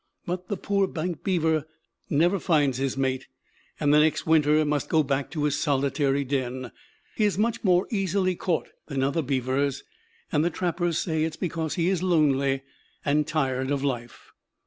But the poor bank beaver never finds his mate, and the next winter must go back to his solitary den. He is much more easily caught than other beavers, and the trappers say it is because he is lonely and tired of life.